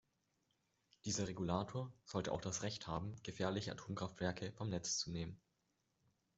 Dieser Regulator sollte auch das Recht haben, gefährliche Atomkraftwerke vom Netz zu nehmen.